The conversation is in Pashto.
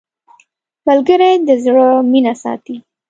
ملګری د زړه مینه ساتي